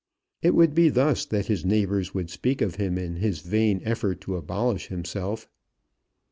It would be thus that his neighbours would speak of him in his vain effort to abolish himself.